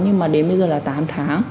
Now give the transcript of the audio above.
nhưng mà đến bây giờ là tám tháng